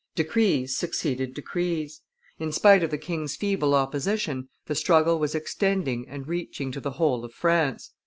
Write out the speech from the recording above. Decrees succeeded decrees; in spite of the king's feeble opposition the struggle was extending and reaching to the whole of France.